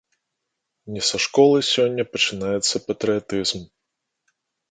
Не са школы сёння пачынаецца патрыятызм.